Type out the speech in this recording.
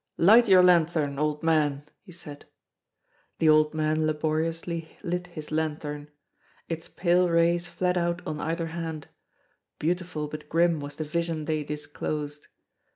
"Light your lanthorn, old man," he said. The old man laboriously lit his lanthorn. Its pale rays fled out on either hand; beautiful but grim was the vision they disclosed.